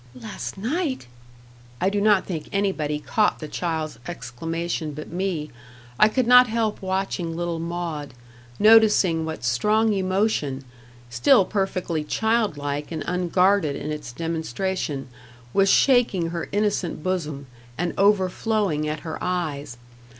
"Last night!" I do not think anybody caught the child's exclamation but me; I could not help watching little Maud, noticing what strong emotion, still perfectly child like and unguarded in its demonstration, was shaking her innocent bosom, and overflowing at her eyes.